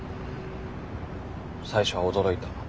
最初は驚いた。